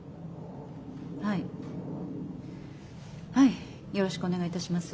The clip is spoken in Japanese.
はいはいよろしくお願いいたします。